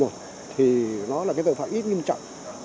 thì nó là cái tội phạm ít nghiêm trọng